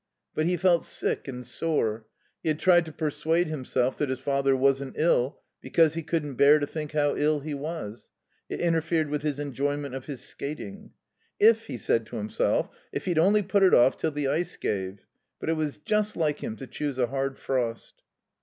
But he felt sick and sore. He had tried to persuade himself that his father wasn't ill because he couldn't bear to think how ill he was; it interfered with his enjoyment of his skating. "If," he said to himself, "if he'd only put it off till the ice gave. But it was just like him to choose a hard frost."